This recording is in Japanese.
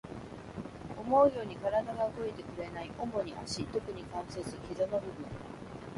思うように体が動いてくれない。主に足、特に関節、膝の部分。